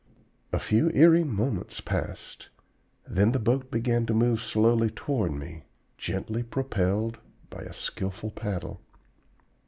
A few eerie moments passed; then the boat began to move slowly toward me, gently propelled by a skillful paddle.